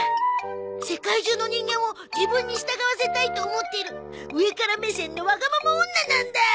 世界中の人間を自分に従わせたいと思っている上から目線のわがまま女なんだ！